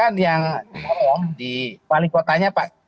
bahkan yang di pali kota nya pak